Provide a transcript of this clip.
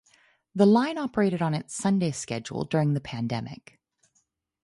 The line operated on its Sunday schedule during the pandemic.